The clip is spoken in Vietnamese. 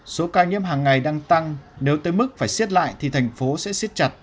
số ca nhiễm hàng ngày đang tăng nếu tới mức phải xiết lại thì thành phố sẽ xiết chặt